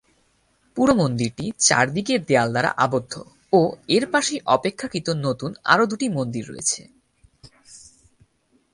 পুরো মন্দিরটি চারদিকে দেয়াল দ্বারা আবদ্ধ ও এর পাশেই অপেক্ষাকৃত নতুন আরও দুটি মন্দির রয়েছে।